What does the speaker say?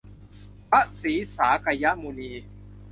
พระศรีศากยมุนี